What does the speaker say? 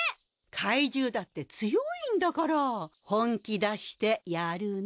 怪獣だって強いんだから本気出してやるの。